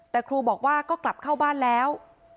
แต่ครูบอกว่าก็กลับเข้าบ้านแล้ว